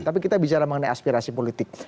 tapi kita bicara mengenai aspirasi politik